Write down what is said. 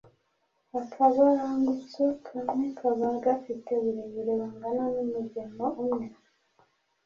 Akabangutso kamwe kaba gafite uburebure bungana n’umugemo umwe.